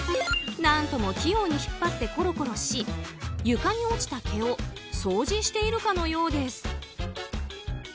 何とも器用に引っ張ってコロコロし、床に落ちた毛を掃除しているかのようです。